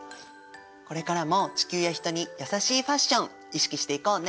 これからも地球や人に優しいファッション意識していこうね。